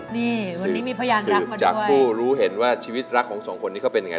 สืบจากผู้รู้เห็นว่าชีวิตรักของสองคนนี้ก็เป็นยังไง